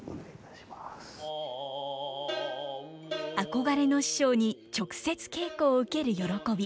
憧れの師匠に直接稽古を受ける喜び。